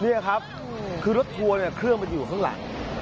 นี่ครับคือรถทัวร์เนี่ยเครื่องมันอยู่ข้างหลัง